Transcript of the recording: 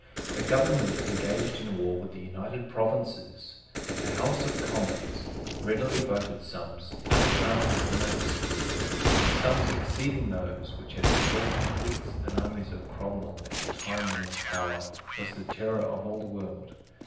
The government engaged in war with the United Provinces. The House of Commons readily voted sums unexampled in our history, sums exceeding those which had supported the fleets and armies of Cromwell at the time when his power was the terror of all the world.